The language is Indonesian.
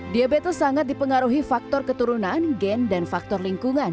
diabetes sangat dipengaruhi faktor keturunan gen dan faktor lingkungan